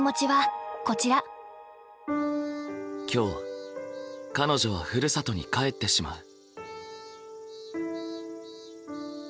今日彼女はふるさとに帰ってしまう。